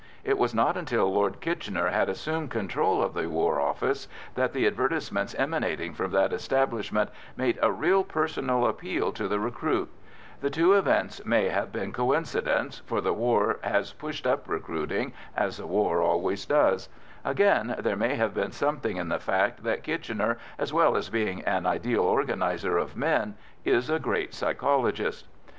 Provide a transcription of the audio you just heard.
It was not till Lord Kitchener had assumed control of the War Office that the advertisements emanating from that establishment made a real personal appeal to the recruit; the two events may have been coincidence, for the war has pushed up recruiting as a war always does; again, there may have been something in the fact that Kitchener, as well as being an ideal organiser of men, is a great psychologist.